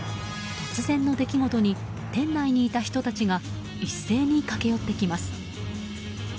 突然の出来事に店内にいた人たちが一斉に駆け寄ってきます。